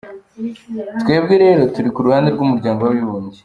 Twebwe rero turi ku ruhande rw’ Umuryango w’Abibumbye.”